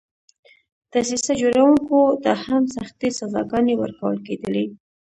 دسیسه جوړوونکو ته هم سختې سزاګانې ورکول کېدلې.